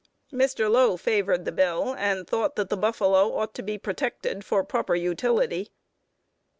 Mr. Lowe favored the bill, and thought that the buffalo ought to be protected for proper utility.